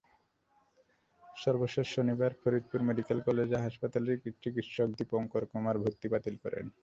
সর্বশেষ শনিবার ফরিদপুর মেডিকেল কলেজে হাসপাতালের চিকিৎসক দীপংকর কুমার ভর্তি বাতিল করেন।